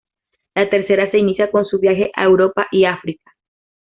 La tercera se inicia con su viaje a Europa y África.